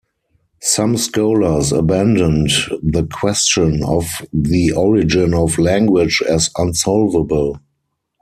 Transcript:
Some scholars abandoned the question of the origin of language as unsolvable.